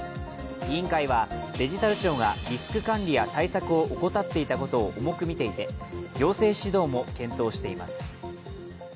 委員会はデジタル庁がリスク管理や対策を怠っていたことを重くみていて行政指導も検討しています。